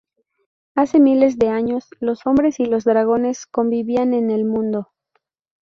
Hace miles de años, los hombres y los dragones convivían en el mundo.